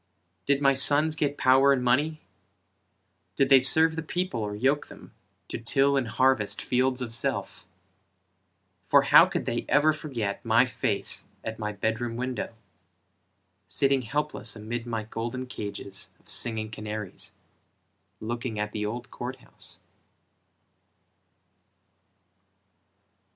Did my sons get power and money? Did they serve the people or yoke them, To till and harvest fields of self? For how could they ever forget My face at my bed room window, Sitting helpless amid my golden cages Of singing canaries, Looking at the old court house?